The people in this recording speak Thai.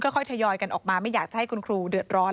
ค่อยทยอยกันออกมาไม่อยากจะให้คุณครูเดือดร้อน